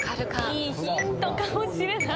いいヒントかもしれない。